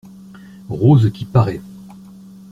Rose qui paraît.